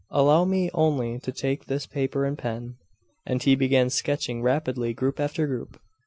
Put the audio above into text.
Allow me only to take this paper and pen ' And he began sketching rapidly group after group.